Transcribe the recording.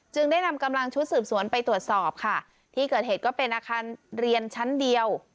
ได้นำกำลังชุดสืบสวนไปตรวจสอบค่ะที่เกิดเหตุก็เป็นอาคารเรียนชั้นเดียว